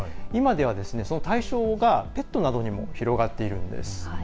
今では、対象がペットなどにも広がっているんです。